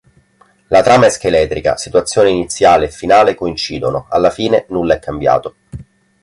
La trama è scheletrica, situazione iniziale e finale coincidono, alla fine nulla è cambiato.